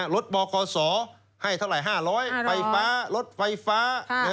รถบคศให้เท่าไหร่๕๐๐ไฟฟ้ารถไฟฟ้า